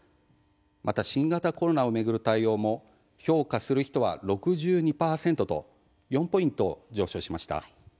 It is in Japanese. また新型コロナを巡る対応も「評価する」人は６２％と４ポイント上昇しました。